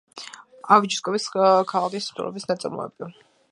ავეჯის, კვების, ქაღალდის მრეწველობის საწარმოები.